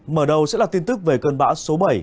mở đầu sẽ là tin tức về cơn bão số bảy